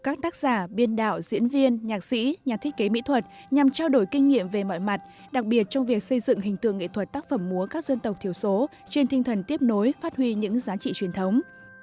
các tác giả biên đạo diễn viên nhạc sĩ nhà thiết kế mỹ thuật nhằm trao đổi kinh nghiệm về mọi mặt đặc biệt trong việc xây dựng hình tượng nghệ thuật tác phẩm múa các dân tộc thiểu số trên tinh thần tiếp nối phát huy những giá trị truyền thống